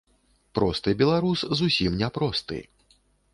Просты беларус зусім не просты.